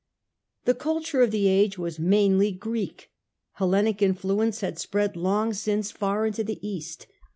The culture of the age was mainly Greek. Hel lenic influence had spread long since far into the The culture East.